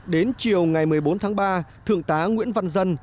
đến chiều ngày một mươi bốn tháng ba thượng tá nguyễn văn dân